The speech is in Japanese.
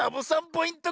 ポイント